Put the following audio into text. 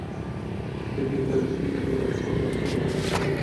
একটি বিকাশমান আধুনিক নগরের চাহিদা বিবেচনা করেই এটি তৈরি হওয়া দরকার।